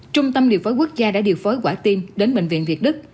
trung tâm điều phối quốc gia đã điều phối quả tim đến bệnh viện việt đức